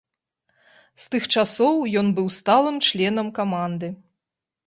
З тых часоў ён быў сталым членам каманды.